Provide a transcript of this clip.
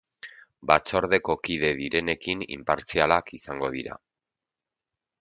Batzordeko kide direnekin inpartzialak izango dira.